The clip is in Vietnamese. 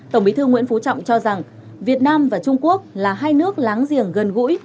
tổng bí thư nguyễn phú trọng cho rằng việt nam và trung quốc là hai nước láng giềng gần gũi